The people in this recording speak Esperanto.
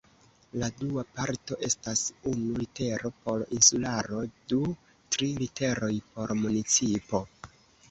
La dua parto estas unu litero por insularo du tri literoj por municipo.